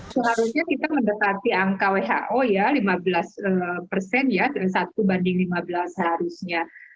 seharusnya kita mendekati angka who ya lima belas persen ya dan satu banding lima belas seharusnya